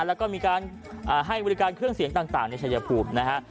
แล้วก็มีการให้บริการเครื่องเสียงต่างในชายภูมินะฮะ